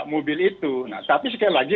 mobil itu nah tapi sekali lagi